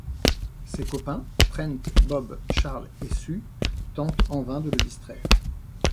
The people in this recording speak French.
Ses copains, Trent, Bob, Charles et Sue, tentent en vain de le distraire.